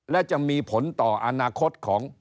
และจะมีผลต่ออนาคตของ